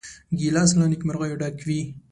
ګیلاس له نیکمرغیو ډک وي.